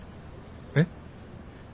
えっ？